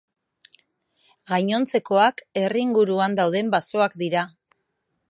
Gainontzekoak herri inguruan dauden basoak dira.